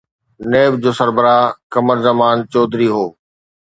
NAB جو سربراهه قمر زمان چوڌري هو.